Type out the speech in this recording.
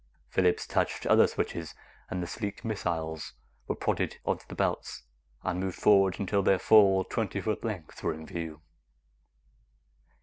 Phillips touched other switches, and the sleek missiles were prodded onto the belts and moved forward until the full, twenty foot lengths were in view.